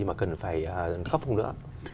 mà cần phải khắc phục không nữa